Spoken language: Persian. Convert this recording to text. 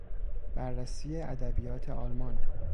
بررسی ادبیات آلمان